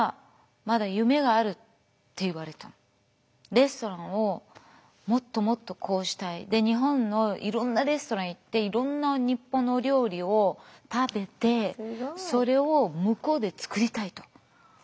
レストランをもっともっとこうしたい日本のいろんなレストラン行っていろんな日本のお料理を食べてそれを向こうで作りたいと。